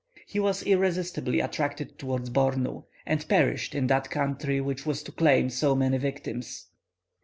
He was irresistibly attracted towards Bornu, and perished in that country, which was to claim so many victims.